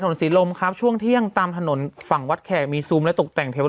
ศรีลมครับช่วงเที่ยงตามถนนฝั่งวัดแขกมีซูมและตกแต่งแถว